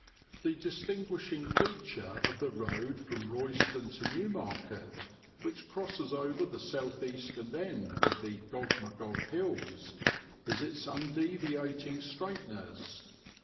The distinguishing feature of the road from Royston to Newmarket, which crosses over the south eastern end of the Gog Magog Hills, is its undeviating straightness.